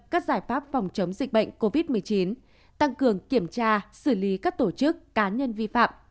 các giải pháp phòng chống dịch bệnh covid một mươi chín tăng cường kiểm tra xử lý các tổ chức cá nhân vi phạm